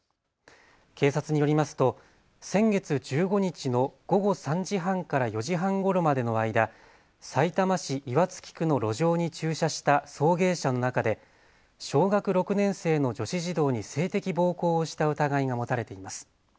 警察によりますと先月１５日の午後３時半から４時半ごろまでの間、さいたま市岩槻区の路上に駐車した送迎車の中で小学６年生の女子児童に性的暴行をした疑いが持たれています。